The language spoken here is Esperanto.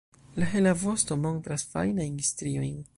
La hela vosto montras fajnajn striojn.